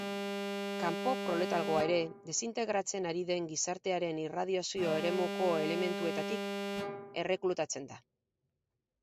Kanpo-proletalgoa ere desintegratzen ari den gizartearen irradiazio-eremuko elementuetatik erreklutatzen da.